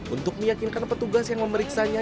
untuk meyakinkan petugas yang memeriksanya